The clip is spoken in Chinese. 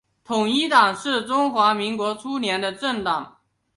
统一党是中华民国初年的政党。